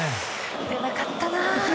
打てなかったな。